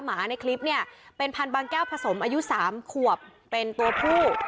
หมาในคลิปเนี่ยเป็นพันธบางแก้วผสมอายุ๓ขวบเป็นตัวผู้